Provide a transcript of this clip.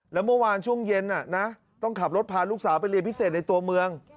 แล้วเมื่อวานช่วงเย็นต้องขับรถพาลูกสาวไปเรียนพิเศษในตัวเมือง